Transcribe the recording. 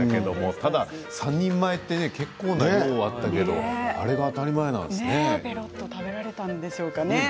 ただ３人前は結構な量だったけれどもぺろっと食べられたんでしょうかね。